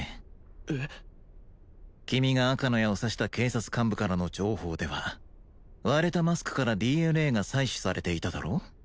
えっ君が赤の矢を刺した警察幹部からの情報では割れたマスクからＤＮＡが採取されていただろう？